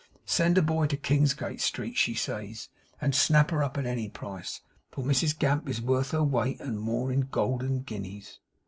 Send a boy to Kingsgate Street," she says, "and snap her up at any price, for Mrs Gamp is worth her weight and more in goldian guineas."